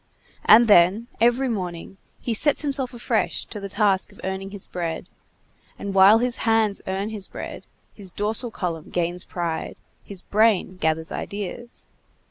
And then, every morning, he sets himself afresh to the task of earning his bread; and while his hands earn his bread, his dorsal column gains pride, his brain gathers ideas.